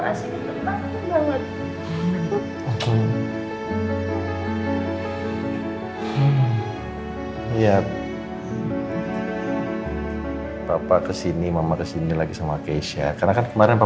dua nosartuh masalah tanpa teman yang ada di depan kita